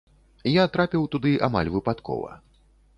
Я трапіў туды амаль выпадкова.